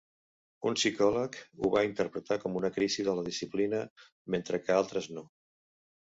Un psicòleg ho va interpretar com una crisi de la disciplina mentre que altres no.